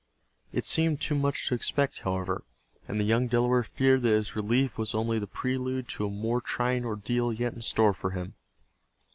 It seemed too much to expect, however, and the young Delaware feared that his relief was only the prelude to a more trying ordeal yet in store for him.